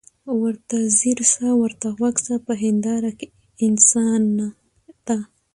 ورته ځیر سه ورته غوږ سه په هینداره کي انسان ته